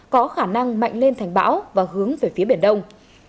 có khả năng mạnh lên thành bão và hướng về phía biển đông